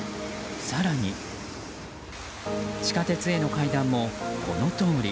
更に、地下鉄への階段もこのとおり。